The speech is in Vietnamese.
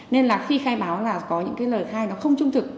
nên là khi khai báo là có những cái lời khai nó không trung thực